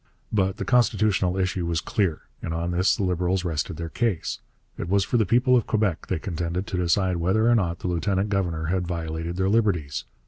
But the constitutional issue was clear, and on this the Liberals rested their case. It was for the people of Quebec, they contended, to decide whether or not the lieutenant governor had violated their liberties.